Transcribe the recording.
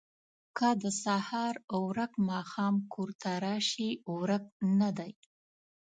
که د سهار ورک ماښام کور ته راشي، ورک نه دی.